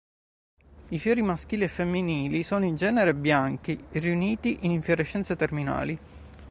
I fiori maschili e femminili sono in genere bianchi, riuniti in infiorescenze terminali.